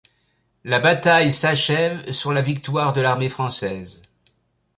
La bataille s'achève sur la victoire de l'armée française.